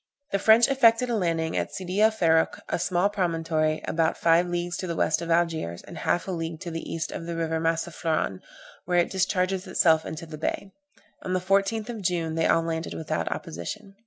The French effected a landing at Sidy el Ferruch, a small promontory, about five leagues to the west of Algiers, and half a league to the east of the river Massaflran, where it discharges itself into the bay. On the 14th of June they all landed without opposition.